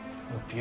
え？